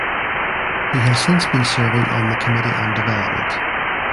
He has since been serving on the Committee on Development.